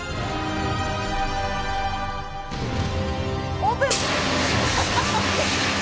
オープン！